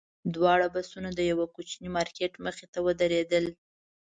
دواړه بسونه د یوه کوچني مارکېټ مخې ته ودرېدل.